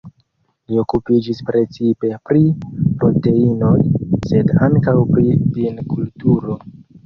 Li okupiĝis precipe pri proteinoj, sed ankaŭ pri vinkulturo.